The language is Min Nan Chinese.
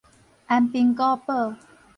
安平古堡